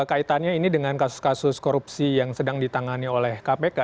kaitannya ini dengan kasus kasus korupsi yang sedang ditangani oleh kpk